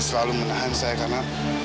selalu menahan saya karena